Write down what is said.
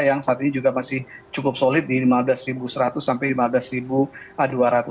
yang saat ini juga masih cukup solid di rp lima belas seratus sampai rp lima belas dua ratus